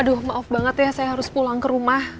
aduh maaf banget ya saya harus pulang ke rumah